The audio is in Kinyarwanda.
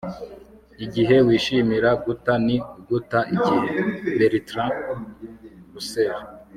igihe wishimira guta ni uguta igihe. - bertrand russell